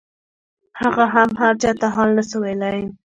هغه هم هرچا ته حال نسو ويلاى.